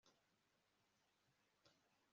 Ni ryari uheruka kuba